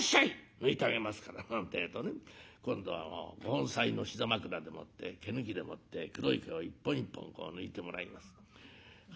抜いてあげますから」なんてえとね今度はご本妻の膝枕でもって毛抜きでもって黒い毛を一本一本こう抜いてもらいます。